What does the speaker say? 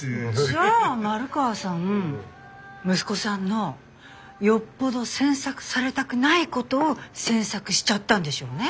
じゃあ丸川さん息子さんのよっぽど詮索されたくないことを詮索しちゃったんでしょうね。